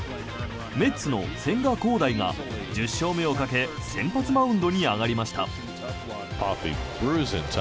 メッツの千賀滉大が１０勝目をかけ先発マウンドに上がりました。